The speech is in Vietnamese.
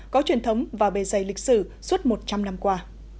có truyền thống và bề dày lịch sử suốt một trăm linh năm qua